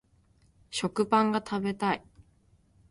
食パンが食べたい